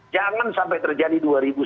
jangan sampai terjadi dua ribu sembilan belas